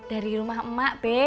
dari rumah emak be